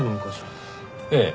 ええ。